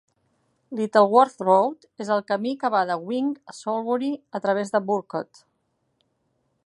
Littleworth Road és el camí que va de Wing a Soulbury a través de Burcott.